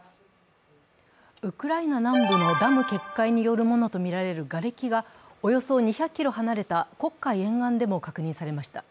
ウクライナ南部のダム決壊によるものとみられるがれきがおよそ２００ｋｍ離れた黒海沿岸でも確認されました。